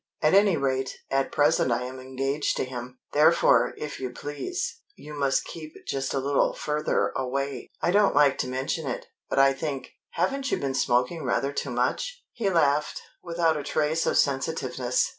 "At any rate, at present I am engaged to him. Therefore, if you please, you must keep just a little further away. I don't like to mention it, but I think haven't you been smoking rather too much?" He laughed, without a trace of sensitiveness.